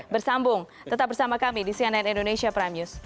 bersambung tetap bersama kami di cnn indonesia prime news